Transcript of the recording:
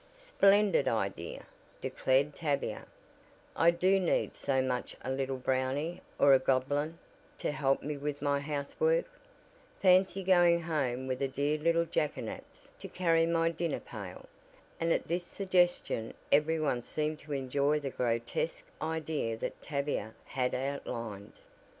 "Splendid idea," declared Tavia, "I do need so much a little Brownie or a goblin to help me with my housework. Fancy going home with a dear little Jackanapes to carry my 'dinner pail'!" and at this suggestion every one seemed to enjoy the grotesque idea that Tavia had outlined.